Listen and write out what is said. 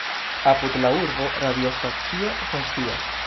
Apud la urbo radiostacio funkcias.